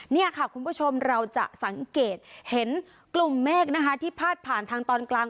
นี่ค่ะคุณผู้ชมเราจะสังเกตเห็นกลุ่มเมฆนะคะที่พาดผ่านทางตอนกลาง